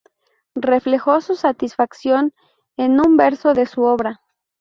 Reflejó su satisfacción en un verso de su obra.